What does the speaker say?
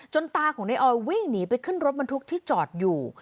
ตาของนายออยวิ่งหนีไปขึ้นรถบรรทุกที่จอดอยู่